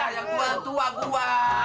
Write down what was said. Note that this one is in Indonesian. yang tua tua gua